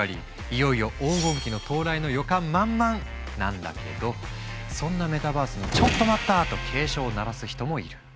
いよいよ黄金期の到来の予感満々なんだけどそんなメタバースにと警鐘を鳴らす人もいる。